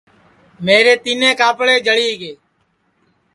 میرے تِینیں کاپڑے جݪی گے